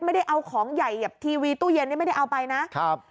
ไม่ได้เอาของใหญ่แบบทีวีตู้เย็นนี่ไม่ได้เอาไปนะครับ